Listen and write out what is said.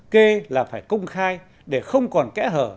kê là phải công khai để không còn kẽ hở